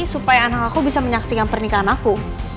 supaya anak aku bisa menyaksikan pernikahan aku